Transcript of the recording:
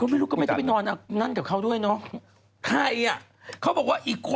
ก็ไม่รู้ก็ไม่ได้ไปนอนกับเขาด้วยเนาะ